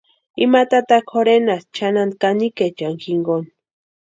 Ima tataka jorhenasti chʼanani kanikaechani jinkoni.